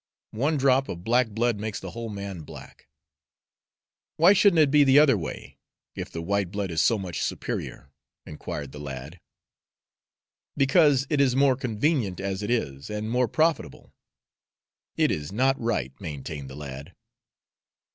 One drop of black blood makes the whole man black." "Why shouldn't it be the other way, if the white blood is so much superior?" inquired the lad. "Because it is more convenient as it is and more profitable." "It is not right," maintained the lad.